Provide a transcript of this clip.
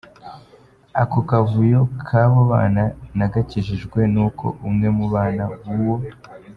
Ako kavuyo k’abo bana nagakijijwe n’uko umwe mu bana b’uwo.